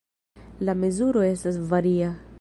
La mezuro estas varia.